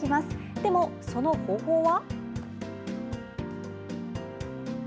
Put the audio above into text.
でも、その方法は？